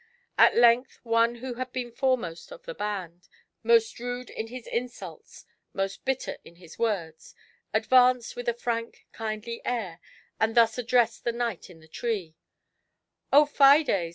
At length one who had been foremost of the band, most rude in his insults, most bitter in his words, ad vanced with a frank kindly air, and thus addressed the kniglit in the tree :O Fides